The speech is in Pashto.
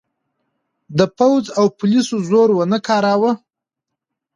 د پوځ او پولیسو زور ونه کاراوه.